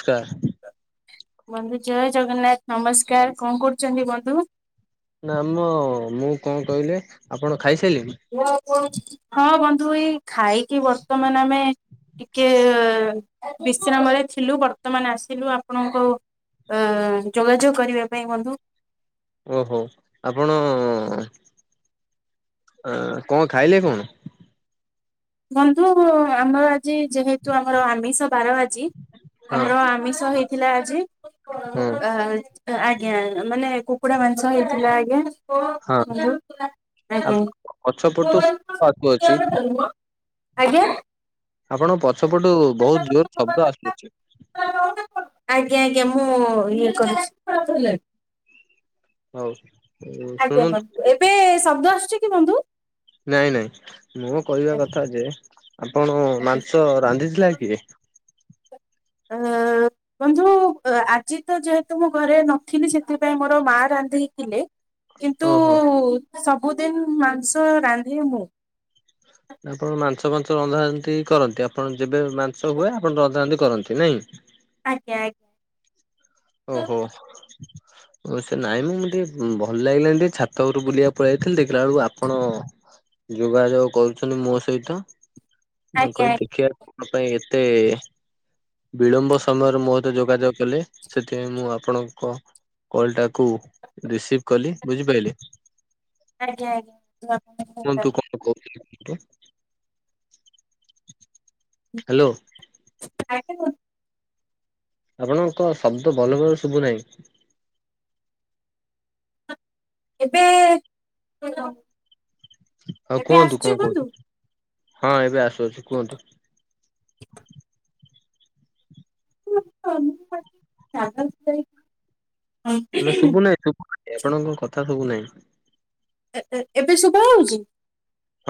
ସ୍କା ବନ୍ଧୁ ଜୟ ଜଗନ୍ନାଥ ନମସ୍କାର କଣ କରୁଛନ୍ତି ବନ୍ଧୁ? ନାମ ମୁଁ କଣ କହିଲେ ଆପଣ ଖାଇସାରିଣେନି? ହଁ ବନ୍ଧୁ ଏଇ ଖାଇକି ବର୍ତ୍ତମାନ ଆମେ ଟିକେ ବିଶ୍ରାମରେ ଥିଲୁ ବର୍ତ୍ତମାନ ଆସିଲୁ ଆପଣଙ୍କୁ ଅ ଯୋଗାଯୋଗ କରିବା ପାଇଁ ବନ୍ଧୁ। ଓହୋ ଆପଣ ଅ ଆଁ କଣ ଖାଇଲେ କଣ? ବନ୍ଧୁ ଆମର ଆଜି ଯେହେତୁ ଆମର ଆମିଷ ବାରବାଜି। ହଁ ଆମର ଆମିଷ ହେଇଥିଲା ଆଜି। ହଁ ଆଜ୍ଞା ଆଜ୍ଞା ମାନେ କୁକୁଡା ମାଂସ ହେଇଥିଲା ଆଜ୍ଞା। ହଁ ଆଜ୍ଞା ଆ ପଛ ପଟୁଛୁ ଅଛି। ଆଜ୍ଞା। ଆପଣଙ୍କ ପଛ ପଟୁ ବହୁତ ଜୋର ଶବ୍ଦ ଆସୁଛି। ଆଜ୍ଞା ଆଜ୍ଞା ମୁଁ ଇଏ କରୁଛି। ହଉ। ଆଜ୍ଞା ଶୁଣନ୍ତୁ ବନ୍ଧୁ ଏବେ ଶବ୍ଦ ଆସୁଛ କି ବନ୍ଧୁ? ନାଇଁ ନାଇଁ ମୋ କହିବା ଆଜ୍ଞା କଥା ଯେ ଆପଣ ଆଜ୍ଞା। ମାଂସ ରାନ୍ଧିଥିଲା କିଏ? ହଁ। ବନ୍ଧୁ ଆଜି ତ ଯେହେତୁ ମୁଁ ଘରେ ନଥିଲି ସେଥିପାଇଁ ମୋର ମା ରାନ୍ଧିଥିଲେ। କିନ୍ତୁ ଓହୋ। ସବୁଦିନ ମାଂସ ରାନ୍ଧେ ମୁଁ। ଆପଣ ମାଂସ ଫାସ ରନ୍ଧାରନ୍ଧି କରନ୍ତି ଆପଣ ଯେବେ ମାଂସ ହୁଏ ଆପଣ ରନ୍ଧାରନ୍ଧି ରକରନ୍ତି ନାଇଁ? ଆଜ୍ଞା। ଓହୋ। ହ ସେ ନାଇଁ ମୁଁ ଟିକେ ଭଲ ଲାଗିଲାନି ଟିକେ ଛାତ ଘରୁ ବୁଲିବାକୁ ପଳେଇ ଯାଇଥିଲି ଦେଖିଲା ବେଳକୁ ଆପଣ ଯୋଗାଯୋଗ କରୁଛନ୍ତି ମୋ ସହିତ ମୁଁ ଆଜ୍ଞା କହିଲି ଦେଖିବା କଣ ପାଇଁ ଏତେ ବିଳମ୍ବ ସମୟରେ ମୋତେ ଯୋଗାଯୋଗ କଲେ? ସେଥିପାଇଁ ମୁଁ ଆପଣଙ୍କ କଲ୍ ଟାକୁ ରିସିଭ୍ କଲି ବୁଝିପାରିଲେ? ଆଜ୍ଞା ଆଜ୍ଞା। ହାଲୋ। ଆଜ୍ଞା। ଆପଣଙ୍କ ଶବ୍ଦ ଭଲ ଭାବରେ ଶୁଭୁ ନାହିଁ? ଏବେ ତେଲ। ହଉ କୁହନ୍ତୁ କଣ କୁହଛୁ ହଁ ଏବେ ଆସୁଅଛି କୁହନ୍ତୁ? [unintelligible] [unintelligible] ହେଲେ ଶୁଭୁ ନାହିଁ ଶୁ ଆପଣଙ୍କ କଥା ଶୁଭୁ ନାହିଁ। ଏବେ ଶୁଭା ହଉଛି।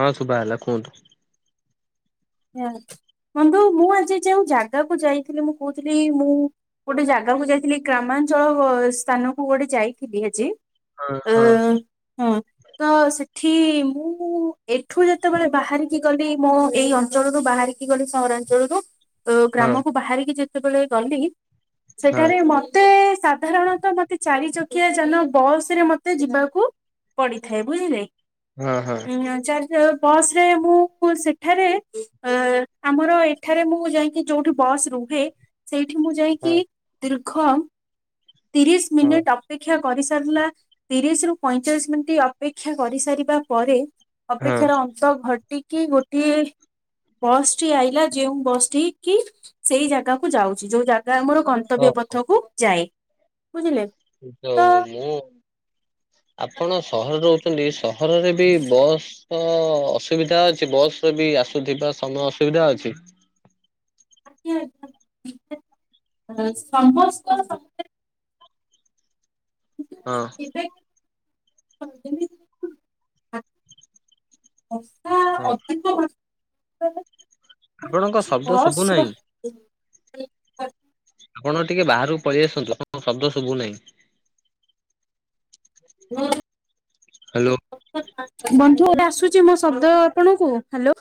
ହଁ ଶୁଭା ହେଲା କୁହନ୍ତୁ। ବନ୍ଧୁ ମୁଁ ଆଜି ଯୋଉ ଜାଗାକୁ ଯାଇଥିଲି ମୁଁ କହୁଥିଲି ମୁଁ ଗୋଟେ ଜାଗାକୁ ଯାଇଥିଲି ଗ୍ରାମାଞ୍ଚଳ ସ୍ଥାନକୁ ଗୋଟେ ଯାଇଥିଲି ଆଜି। ହଁ ଆ ହଁ। ହୁଁ। ତ ସେଠି ମୁଁ ଏଠୁ ଯେତେବେଳେ ବାହାରିକି ଗଲି ମୋ ଏଇ ଅଞ୍ଚଳରୁ ବାହାରିକି ଗଲି ସହରାଞ୍ଚଳରୁ ତ ହଁ ଗ୍ରାମକୁୁ ବାହାରିକି ଯେତେବେଳେ ଗଲି ହଁ ସେଠାରେ ମ ମତେ ସାଧାରଣତଃ ମତେ ଚାରି ଚକିଆ ଯାନ ବସ ରେ ମତେ ଯିବାକୁ ପଡିଥାଏ ବୁଝିଲେ ହଁ ହଁ ଆଚା ବସରେ ମୁଁ ସେଠାରେ ଆ ଆମର ଏଠାରେ ମୁଁ ଯାଇକି ଯୋଉଁଠି ବସ୍ ରୁହେ ସେଇଠି ମୁଁ ଯାଇକି ହଁ ଦୀର୍ଘ ତିରିଶି ହଁ ମିନିଟ୍ ଅପେକ୍ଷା କରିସାରିଲା ତିରିଶିରୁ ପଇଁଚାଳିଶି ମିନିଟ୍ ଅପେକ୍ଷା କରିସାରିବା ପରେ ହଁ। ଅପେକ୍ଷାର ଅନ୍ତ ଘଟିକି ଗୋଟଏ ବସ୍ଟି ଆଇଲାା ଯେଉଁ ବସ୍ କି ସେଇ ଜାଗାକୁ ଯାଉଛି ଯୋଉ ଜାଗା ଆମର ହଁ ତ୍ତବ୍ୟ ପଥକୁ ଯାଏ ବୁଝିଲେ। ତ ଯୋଉ ମୁଁ ଆପଣ ସହର ରହୁଛନ୍ତି ସହରରେ ବି ବସ୍ ତ ଅସୁବିଧା ଅଛି ବସ ରେ ବି ଆସୁଥିବା ସମୟ ଅସୁବିଧା ଅଛି। [unintelligible] ସମସ୍ତ ହଁ [unintelligible] [unintelligible] ହ ହଁ ଅଧିକ ମାତ୍ରାରେ ଆପଣଙ୍କ ଶବ୍ଦ ଶୁଭୁ ନାହିଁ। ଆପଣ ଟିକେ ବାହାରକୁ ପଳେଇ ଆସନ୍ତୁ ଆପଣଙ୍କ ଶବ୍ଦ ଶୁଭୁନାହିଁ। ହୁଁ। ହ୍ୟାଲୋ। ବନ୍ଧୁ ଏବେ ଆସୁଛି ମୋ ଶବ୍ଦ ଆପଣଙ୍କୁ ହ୍ୟାଲୋ।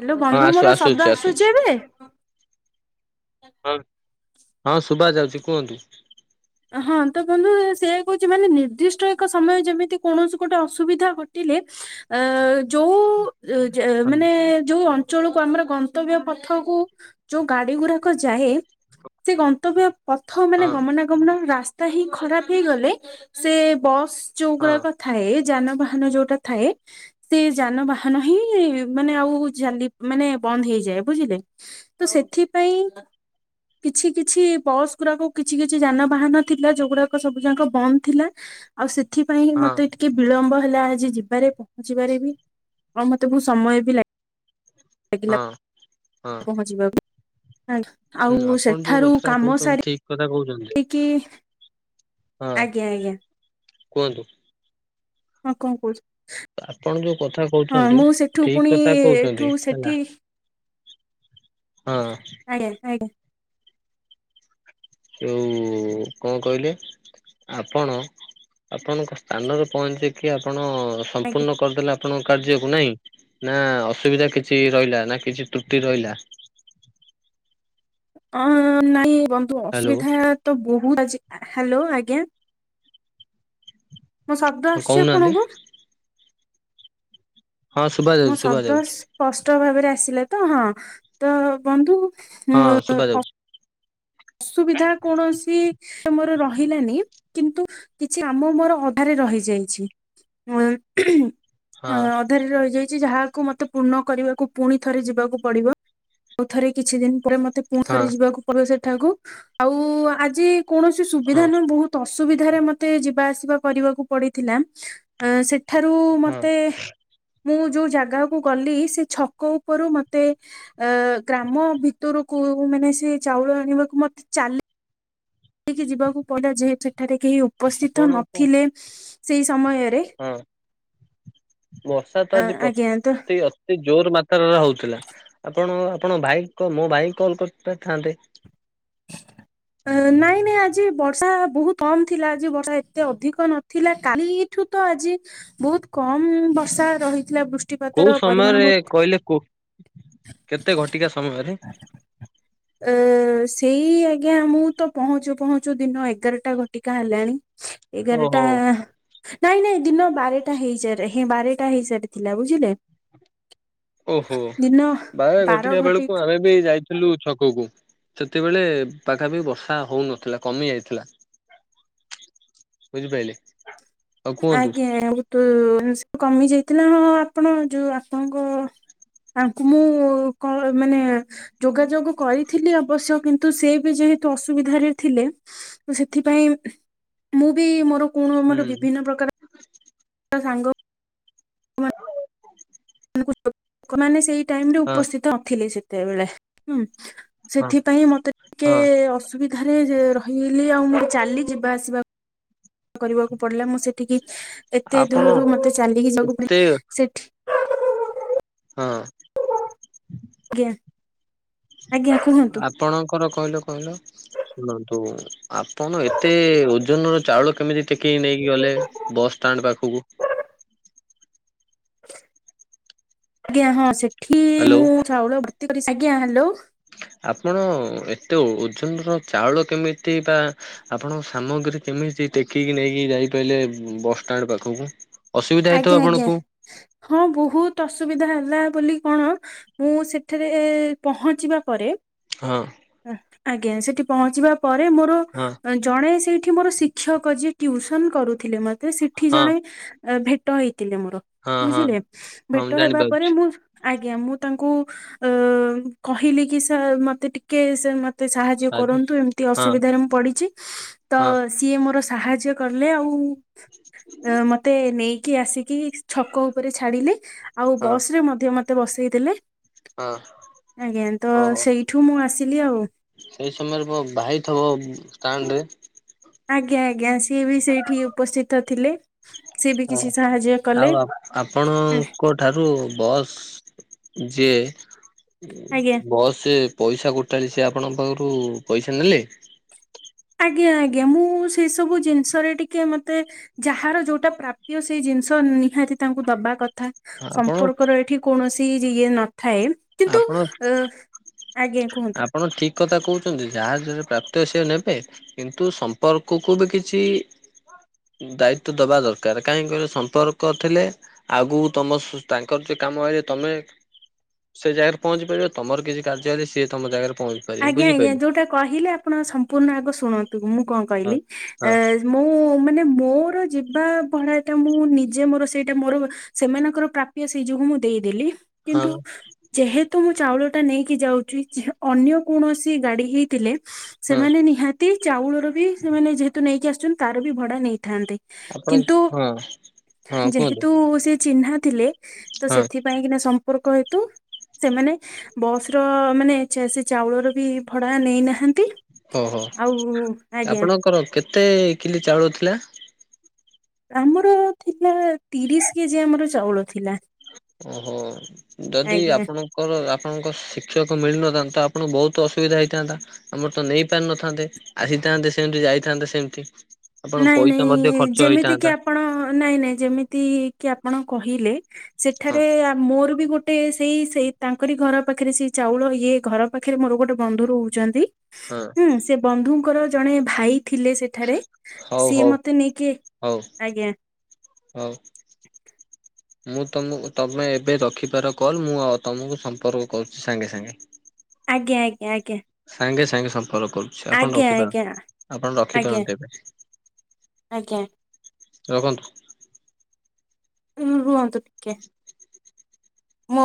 ହ୍ୟାଲୋ ବନ୍ଧୁ ମୋର ଶବ୍ଦ ଆସୁଛି ଏବେ। ହଁ ହଁ ଶୁଭା ଯାଉଛି କୁହନ୍ତୁ। ହଁ ତ ବନ୍ଧୁ ସେଏ କହୁଛି ମାନେ ନିର୍ଦ୍ଦିଷ୍ଟ ଏକ ସମୟ ଯେମିତି କୌଣସି ଗୋଟେ ଅସୁବିଧା ଘଟିଲେ। ଆ ଯୋଉ ହଁ ମାନେ ଯୋଉ [unintelligible] ଆମର ଗନ୍ତବ୍ୟ ପଥକୁ ଯୋଉ ଗାଡି ଗୁଡାକ ଯାଏ ସେ ଗନ୍ତବ୍ୟ ପଥ ମାନେ ହଁ ଗମନାଗମନ ରାସ୍ତା ହିଁ ଖରାପ ହେଇଗଲେ ସେ ବସ୍ ଯୋଉ ହଁ ଗୁଡାକ ଥାଏ ଯାନବାହାନ ଯୋଉଟା ଥାଏ। ସେ ଯାନବାହାନ ହିଁ ମାନେ ଆଉ ଚାଲି ମାନେ ବନ୍ଦ ହେଇଯାଏ ବୁଝିଲେ। ତ ସେଥିପାଇଁ କିଛି କିଛି ବସ୍ ଗୁଡାକ କିଛି କିଛି କିଛି ଯାନବାହାନ ଥିଲା ଯୋଉଗୁଡାକ ସବୁ ଯାକ ବନ୍ଦ ଥିଲା ଆଉ ସେଥି ପାଇଁ ହଁ ମୋତେ ଟିକେ ବିଳମ୍ବ ହେଲା ଆଜି ଯିବାରେ ପହଞ୍ଚିବାରେ ବି ଆଉ ମତେ ବହୁ ତୁ ସମୟ ବି ଲାଗି ନେଇକିନା ହଁ ହଁ ପହଁଚି ବାକୁ ହୁଁ ଆଉ ଆପଣ ଯୋଉ ସେଠାରୁ କଥାଟା କାମ କହୁଛନ୍ତି ସାରି ଠିକ କଥା କହୁଛନ୍ତି। କି। ହଁ କୁହନ୍ତୁ। ହଁ କଣ କହୁଛ ଆପଣ ଯୋଉ କଥା ହଁ କହୁଛନ୍ତି ମୁଁ ସେଠୁ ଠିକ ପୁଣି କଥା କହୁଛନ୍ତି ଏଠୁ ହେଲା ସେଠି ହଁ। ଆଜ୍ଞା ଆଜ୍ଞା ଯଉ କଣ କହିଲେ? ଆପଣ ଆପଣଙ୍କ ସ୍ଥାନରେ ପହଞ୍ଚିକି ଆପଣ ଆଜ୍ଞା ସମ୍ପୂର୍ଣ କରିଦେଲା ଆପଣଙ୍କ କାର୍ଯ୍ୟକୁ ନାଇଁ ନା ଅସୁବିଧା କିଛି ରହିଲା ନା କିଛି ତ୍ରୁଟି ରହିଲା? ଅଂ ନାଇଁ ବନ୍ଧୁ ହ୍ୟାଲୋ ଅସୁବିଧା ତ ବହୁତ ଆଜି ହାଲୋ ଆଜ୍ଞା ମୋ ଶବ୍ଦ ହଁ ଆସୁଛି କହୁନାହାନ୍ତି। ଆପଣଙ୍କୁ? ହଁ ଶୁଭା ଯାଉଛି ମୋ ଶୁଭା ଶଦ୍ଦ ଯାଉଛି ଆସୁଛି ସ୍ପଷ୍ଟ ଭାବରେ ଆସିଲେ ତ ହଁ ତ ବନ୍ଧୁ ହଁ ଶୁଭା ଯାଉଛି। ସୁବିଧା କୌଣସି ମୋର ରହିଲାନି କିନ୍ତୁ କିଛି କାମ ମୋର ଅଧାରେ ରହିଯାଇଛି। [unintelligible] ହଁ। ଅଧାରେ ରହିଯାଇଛି ଯାହାକୁ ମୋତେ ପୂର୍ଣ୍ଣ କରିବାକୁ ପୁଣି ଥରେ ଯିବାକୁ ପଡିବ। ଆଉ ଥରେ କିଛି ଦିନ ପରେ ମତେ ପୁଣି ହଁ ଥରେ ଯିବାକୁ ପଡିବ ସେଠାକୁ ଆଉ ଆଜି କୌଣସି ସୁବିଧା ହଁ [unintelligible] ଅସୁବିଧାରେ ମତେ ଯିବା ଆସିବା କରିବାକୁ ପଡିଥିଲା ଏଁ ସେ ଠାରୁ ହଁ। ମତେ ମୁଁ ଯୋଉ ଜାଗାକୁ ଗଲି ସେ ଛକ ଉପରୁ ମତେ ଆ ଗ୍ରାମ ଭିତରକୁ ମାନେ ସି ଚାଉଳ ଆଣି ବାକୁ ମଧ୍ୟ ଚାଲି କି ଯିବାକୁ ପଡିଲା ଯେହେତୁ ଏଠାରେ କେହି ଉପସ୍ଥିତ ଆପଣଙ୍କ ନଥିଲେ ସେଇ ସମୟରେ। ହଁ ବର୍ଷା ତ ଅ ଆଜି ଆଜ୍ଞା ତ ପ୍ରତି ଆ ସେ ଜୋର ମାତ୍ରାରେ ହଉଥିଲା ଆପଣ ଆପଣ ଭାଇ ମୋ ଭାଇ କଲ୍ କରିପାରିଥାନ୍ତେ। ନାଇଁ ନାଇଁ ଆଜି ବର୍ଷା ବହୁତ କମ ଥିଲା ଆଜି ବର୍ଷା ଏତେ ଅଧିକ ନଥିଲା କାଲି ଠୁ ତ ଆଜି ବହୁତ କମ ବର୍ଷା ରହିଥିଲା ବୃ କୋଉ ସମୟରେ କହିଲେ କୁ କେତେ ଘଟିକା ସମୟରେ? ଏ ସେଇ ଆଜ୍ଞା ମୁଁ ତ ପହଞ୍ଚୁ ପହଞ୍ଚୁ ଦିନ ଏଗାରଟା ଘଟିକା ହେଲାଣି। ଏଗାର ଓହୋ ଟା ନାଇଁ ନାଇଁ ଦିନ ବାରେଟା ହେଇଯା ହେଂ ବାରେଟା ହେଇସାରିଥିଲା ବୁଝିଲେ। ଓହୋ ଦିନ ବାର ଘଟିକା ବେଳକୁ ଆମେ ବି ଯାଇଥିଲୁ ଛକକୁ। ସେତେବେଳେ ପାଖା ପାଖି ବର୍ଷା ହଉନଥିଲା କମି ଯାଇଥିଲା। ବୁଝିପାଇଲେ? ଆଉ କୁହନ୍ତୁ ଆଜ୍ଞା ତୁ କମି ଯାଇଥିଲା ହଁ ଆପଣ ଯୋଉ ଆପଣଙ୍କ ତାଙ୍କୁ ମୁଁ କ ମାନେ ଯୋଗାଯୋଗ କରିଥିଲି ଅବଶ୍ୟ କି କିନ୍ତୁ ସେ ବି ଯେହେତୁ ଅସୁବିଧାରେ ଥିଲେ ସେଥିପାଇଁ ମୁଁ ବି ମୋର କଣ ହୁଁ ମୋର ବିଭିନ୍ନ ପ୍ରକାର ସାଙ୍ଗ ଲୋକମାନେ ସେଇ ଟାଇମରେ ହଁ ଉପସ୍ଥିତ ନଥିଲେ ସେତେବେଳେ ହୁଁ ହଁ ସେଥିପାଇଁ ମତେ ଟିକେ ହଁ ଅସୁବିଧାରେ ରହିଲି ଆଉ ମୁଁ ଚାଲି ଯିବା ଆସିବା କରିବାକୁ ପଡିଲା ମୁଁ ସେଠିକି ଏତେ ଆପଣ ଦୁରରୁ ମତେ ଚାଲିକି ଯିବାକୁ ଏତେ ପଡେ ସେଠି ହଁ। ଆଜ୍ଞା ଆଜ୍ଞା କୁହନ୍ତୁ? ଆପଣଙ୍କର କହିଲ କହିଲ ଶୁଣନ୍ତୁ ଆପଣ ଏତେ ଓଜନର ଚାଉଳ କେମିତି ଟେକିକି ନେଇକି ଗଲେ ବସ୍ ଷ୍ଟାଣ୍ଡ ପାଖକୁ। ଆଜ୍ଞା ହଁ ସେଠି ହ୍ୟାଲୋ। ମୁଁ ଚାଉଳ ଭର୍ତି କରି ଆଜ୍ଞା ହ୍ୟାଲୋ। ଆପଣ ଏତେ ଓଜନ ର ଚାଉଳ କେମିତି ବା ଆପଣଙ୍କ ସାମଗ୍ରୀ କେମିତି ଟେକିକି ନେଇକି ଯାଇପାଇଲେ ବସଷ୍ଟାଣ୍ଡ ପାଖକୁ? ଅସୁବିଧା ହେଇଥିବ ଆଜ୍ଞା ଆଜ୍ଞା ଆପଣଙ୍କୁ ହଁ ବହୁତ ଅସୁବିଧା ହେଲା ବୋଲି କଣ ମୁଁ ସେଠାରେ ପହଞ୍ଚିବା ପରେ ହଁ। ଆଜ୍ଞା ସେଠି ପହଞ୍ଚିବା ପରେ ମୋର ହଁ। ଜଣେ ସେଇଠି ମୋର ଶିକ୍ଷକ ଯିଏ ଟିଉସନ୍ କରୁଥିଲେ ମତେ ସେଠି ହଁ ଜଣେ ଭେଟ ହେଇଥିଲେ ମୋର ହଁ ହଁ ବୁଝିଲେ ହଁ ମୁଁ ଭେଟ ହେବା ପରେ ଜାଣିପାରୁଛି ମୁଁ ଆଜ୍ଞା ମୁଁ ତାଙ୍କୁ ଅ କହିଲି କି ସାର୍ ମତେ ଟିକେ ସେ ମତେ ସାହାଯ୍ୟ କରନ୍ତୁ ଏମିତି ହଁ ଅସୁବିଧାରେ ମୁଁ ପଡିଛି ତ ହଁ ସିଏ ମୋର ସାହାଯ୍ୟ କଲେ ଆଉ [inaudible] ମତେ ନେଇକି ଆସିକି ଛକ ଉପରେ ଛାଡିଲେ ଆଉ ହଁ ବସ ରେ ମଧ୍ୟେ ମ୍ ମତେ ବସେଇଦେଲେ ହଁ ଆଜ୍ଞା ତ ଓହୋ ସେଇଠୁ ମୁଁ ଆସିଲି ଆଉ। ସେଇ ସମୟରେ ମୋ ଭାଇ ଥବ ଷ୍ଟାଣ୍ଡ ରେ। ଆଜ୍ଞା ଆଜ୍ଞା ସିଏ ବି ସେଇଠି ଉପସ୍ଥିତ ଥିଲେ। ସିଏ ବି ହ କିଛି ସାହାଯ୍ୟ କଲେ। ଆଉ ଆପଣ ଆଁ, ଙ୍କ ଠାରୁ ବସ୍ ଯିଏ ଆଜ୍ଞା ବସ୍ ପଇସା ଗୋଟାଳି ସେ ଆପଣଙ୍କ ପାଖରୁ ପଇସା ନେଲେ? ଆଜ୍ଞା ଆଜ୍ଞା ମୁଁ ସେ ସବୁ ଜିନିଷରେ ଟିକେ ମତେ ଯାହାର ଯୋଉଟା ପ୍ରାପ୍ୟ ସେଇ ଜିନିଷ ନିହାତି ତାଙ୍କୁ ଦବା କଥା। ଆପଣ ସମ୍ପର୍କ ର ଏଇଠି କୌଣସି ଇଏ ନଥାଏ। କିନ୍ତୁ ଆପଣ ଆ ଅ ଆଜ୍ଞା କୁହନ୍ତୁ। ଆପଣ ଠିକ୍ କଥା କହୁଛନ୍ତି ଯାହାର ଯରେ ପ୍ରାପ୍ତ ସେ ନେବେ। କିନ୍ତୁ ସମ୍ପର୍କକୁ ବି କିଛି ଦାୟିତ୍ୱ ଦେବା ଦରକାର କାହିଁକି କଇଲ ସମ୍ପର୍କ ଥିଲେ ଆଗକୁ ତମ ଶୁ ତାଙ୍କର କାମ ହେଇେ ତମେ ସେ ଜାଗାରେ ପହଞ୍ଚି ପାରିବ ତମର କିଛି କାର୍ଯ୍ୟ ହେଲେ ସିଏ ତମ ଜାଗାରେ ପହଞ୍ଚ ଆଜ୍ଞା ଆଜ୍ଞା ଯୋଉଟା କହିଲେ ଆପଣ ସମ୍ପୂର୍ଣ୍ଣ ଆଗ ଶୁଣନ୍ତୁ ମୁଁ କଣ ହଁ। କହିଲି ହଁ ଏ ମୁଁ ମାନେ ମୋରୋ ଯିବା ଭଢ଼ା ଟା ମୁଁ ନିଜେ ମୋରୋ ସେଇଟା ମୋରୋ ସେମାନଙ୍କର ପ୍ରାପ୍ୟ ସେଇ ଯୋଗୁଁ ମୁଁ ଦେଇଦେଲି। ହଁ କିନ୍ତୁ ଯେହେତୁ ମୁଁ ଚାଉଳ ଟା ନେଇକି ଯାଉଚି ଅନ୍ୟ କୌଣସି ଗାଡି ହେଇଥିଲେ ହଁ ସେମାନେ ନିହା ତି ଚାଉଳର ବି ସେମାନେ ଯେହେତୁ ନେଇକି ଆସୁଚନ୍ତି ତାର ବି ଭଡା ନେଇଥାନ୍ତେ। ଆପଣ କିନ୍ତୁ ହଁ ହଁ କୁହନ୍ତୁ ଯେହେତୁ ସିଏ ଚିହ୍ନା ଥିଲେ। ତ ହଁ ସେଥିପାଇଁ କିନା ସମ୍ପର୍କ ହେତୁ ସେମାନେ ବସ୍ ର ମାନେ ଛେ ଚାଉଳର ବି ଭଡ଼ା ନେଇନାହାନ୍ତି। ହଁ ହଁ ଆଉ ଆଜ୍ଞା ଆପଣଙ୍କର କେତେ କିଲି ଚାଉଳ ଥିଲା। ଆମର ଥିଲା ତିରିଶ କେଜି ଆମର ଚାଉଳ ଥିଲା। ଓହୋ ଯଦି ଆଜ୍ଞା ଆପଣ ଙ୍କର ଆପଣଙ୍କ ଶିକ୍ଷକ ମିଳିନଥାନ୍ତା ତ ଆପଣଙ୍କୁ ବୋହୁତ ଅସୁବିଧା ହେଇଥାନ୍ତା। ଆମର ତ ନେଇ ପାରିନଥାନ୍ତେ ଆସିଥାନ୍ତେ ସେମତି ଯାଇଥାନ୍ତେ ସେମତି। ନାଇଁ ନାଇଁ ଯେମିତି କି ଆ ପଣ ନାଇଁ ନାଇଁ ଯେମିତି କି ଆପଣ କହିଲେ ସେଠାରେ ମୋରୋ ବି ଗୋଟେ ସେଇ ସେଇ ତାଙ୍କରି ଘର ପାଖେରେ ସେଇ ଚାଉଳ ଇଏ ଘର ପାଖେରେ ମୋରୋ ଗୋଟେ ବନ୍ଧୁ ରୋହୁ ଚନ୍ତି। ହଁ। ହୁଁ ସେ ବନ୍ଧୁଙ୍କର ଜଣେ ଭାଇ ଥିଲେ ସେଠାରେ। ହଉ ସିଏ ହୋଉ ମତେ ନେଇକି ହୋଉ ଆଜ୍ଞା ହୋଉ। [inaudible] ମୁଁ ତମୁକୁ ତମେ ଏବେ ରଖିପାର କଲ୍ ମୁଁ ଅ ତୁମୁକୁ ସମ୍ପର୍କ କରୁଛି ସାଙ୍ଗେ ସାଙ୍ଗେ। ଆଜ୍ଞା ଆଜ୍ଞା ଆଜ୍ଞା। ସାଙ୍ଗେ ସାଙ୍ଗେ ସମ୍ପର୍କ କରୁ ଛି ଆପଣ ଆଜ୍ଞା ଆଜ୍ଞା ରଖିପାରନ୍ତି ଆପଣ ଆଜ୍ଞା ରଖିପାରନ୍ତି ଏବେ। ଆଜ୍ଞା ରଖନ୍ତୁ। ରୁହନ୍ତୁ ଟିକେ। ମୋ